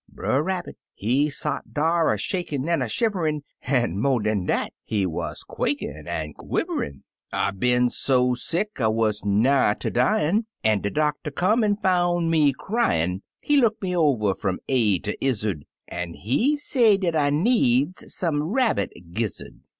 Brer Rabbit he sot dar a shakin' an' a shiverin', An' mo' dan dat, he was quakin' an' quiverin'. " I been so sick, I wuz nigh ter dyin'. An' de doctor come an' foun' me cryin' ; He look me over from A ter Izzard, An' he say dat I needs some Rabbit Gizzard."